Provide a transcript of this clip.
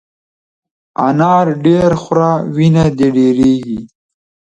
انار ډېر خوره ، وینه دي ډېرېږي !